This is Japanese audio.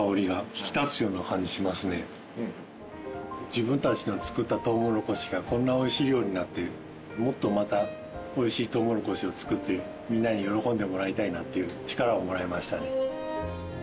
自分たちが作ったトウモロコシがこんなおいしい料理になってもっとまたおいしいトウモロコシを作ってみんなに喜んでもらいたいなっていう力をもらいましたね。